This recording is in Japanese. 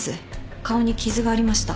顔に傷がありました。